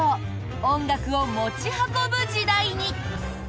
音楽を持ち運ぶ時代に！